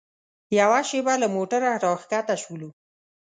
یوه شېبه له موټره راښکته شولو.